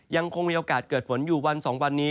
ยังคงมีโอกาสเกิดฝนอยู่วัน๒วันนี้